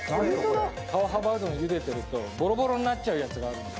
川幅うどん打ってるとボロボロになっちゃうやつがあるんです。